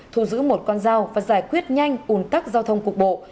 thu giữ một con dao và giải quyết nhanh ủn tắc giao thông cục bộ